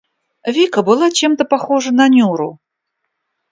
Вика была чем-то похожа на Нюру.